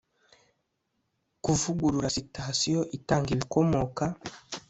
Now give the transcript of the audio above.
kuvugurura sitasiyo itanga ibikomoka